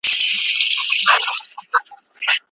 د څيړني پلان له بې پلانه کار ښه وي.